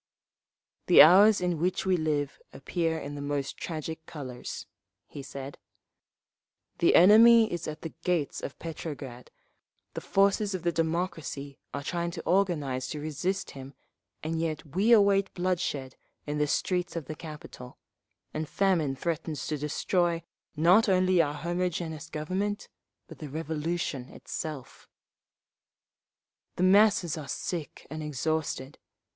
"The hours in which we live appear in the most tragic colours," he said. "The enemy is at the gates of Petrograd, the forces of the democracy are trying to organise to resist him, and yet we await bloodshed in the streets of the capital, and famine threatens to destroy, not only our homogeneous Government, but the Revolution itself…. "The masses are sick and exhausted.